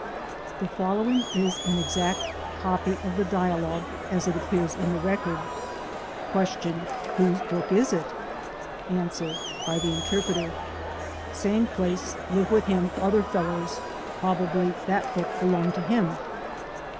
The following is an exact copy of the dialogue as it appears in the record: Q. "Whose book is it?" A. (By the interpreter.) "Same place live with him other fellows. Probably that book belonged to him."